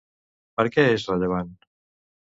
Per què és rellevant?